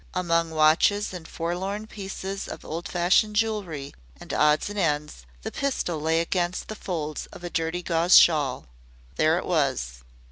Among watches and forlorn pieces of old fashioned jewelry and odds and ends, the pistol lay against the folds of a dirty gauze shawl. There it was.